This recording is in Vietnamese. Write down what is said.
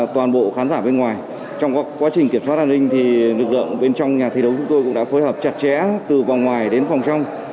tôi cũng đã phối hợp chặt chẽ từ vòng ngoài đến phòng trong